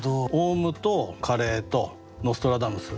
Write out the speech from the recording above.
鸚鵡とカレーとノストラダムス。